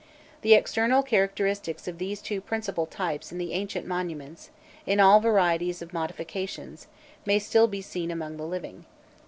The external characteristics of these two principal types in the ancient monuments, in all varieties of modifications, may still be seen among the living.